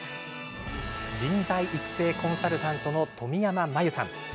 人材育成コンサルタントの冨山真由さん。